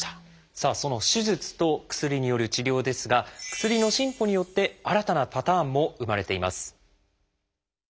さあその手術と薬による治療ですが薬の進歩によって新たなパターンも生まれています。